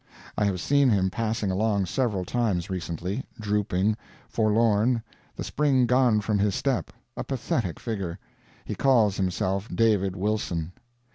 I have seen him passing along several times recently drooping, forlorn, the spring gone from his step, a pathetic figure. He calls himself David Wilson.